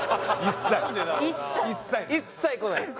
一切来ないの？